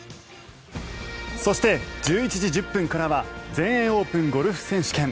そして１１時１０分からは「全英オープンゴルフ選手権」。